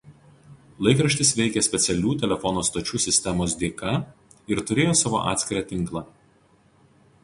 Laikraštis veikė specialių telefono stočių sistemos dėka ir turėjo savo atskirą tinklą.